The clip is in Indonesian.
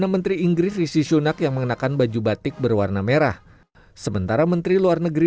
menteri inggris rishi shunak yang mengenakan baju batik berwarna merah sementara menteri luar negeri